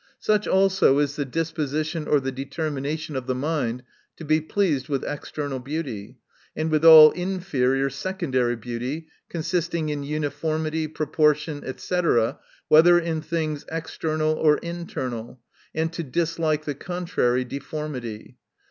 Such aLso is the disposition or the determination of the mind to be pleased with external beauty, and with all inferior secondary beauty, consisting in uniformity, proportion, &c, whether in things external or internal, and to ciislike the con trary deformity.